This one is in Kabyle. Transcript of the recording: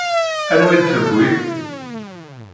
Anwa i d-tewwi?